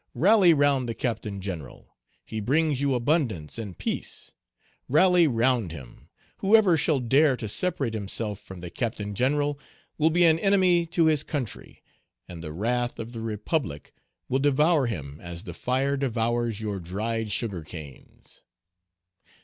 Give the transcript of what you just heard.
Page 164 "Rally round the Captain General; he brings you abundance and peace; rally round him. Whoever shall dare to separate himself from the Captain General, will be an enemy to his country, and the wrath of the Republic will devour him as the fire devours your dried sugar canes.